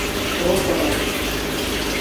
Прохоров.